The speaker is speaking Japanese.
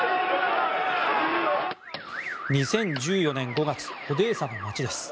２０１４年５月オデーサの街です。